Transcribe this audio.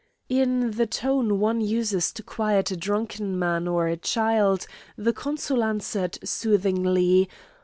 In the tone one uses to quiet a drunken man or a child, the consul answered soothingly.